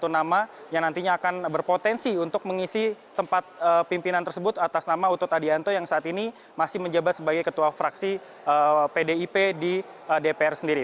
satu nama yang nantinya akan berpotensi untuk mengisi tempat pimpinan tersebut atas nama utut adianto yang saat ini masih menjabat sebagai ketua fraksi pdip di dpr sendiri